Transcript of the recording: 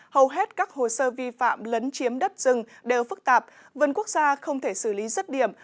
hầu hết các hồ sơ vi phạm lấn chiếm đất rừng đều phức tạp vườn quốc gia không thể xử lý rứt điểm